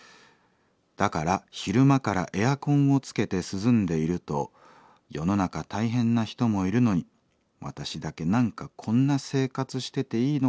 だから昼間からエアコンをつけて涼んでいると世の中大変な人もいるのに私だけ何かこんな生活してていいのかなと思い